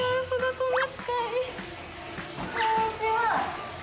こんにちは。